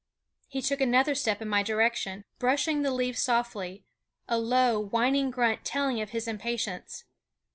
He took another step in my direction, brushing the leaves softly, a low, whining grunt telling of his impatience.